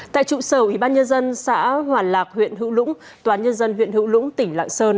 tại trụ sở ủy ban nhân dân xã hoàn lạc huyện hữu lũng tòa nhân dân huyện hữu lũng tỉnh lạng sơn